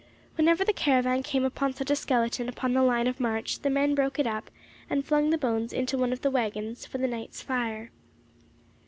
Whenever the caravan came upon such a skeleton upon the line of march, the men broke it up, and flung the bones into one of the waggons for the night's fire.